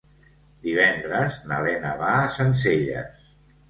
Divendres na Lena va a Sencelles.